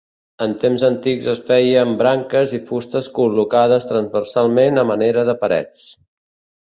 En temps antics es feia amb branques i fustes col·locades transversalment a manera de parets.